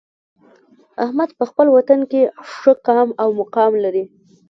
احمد په خپل وطن کې ښه قام او مقام لري.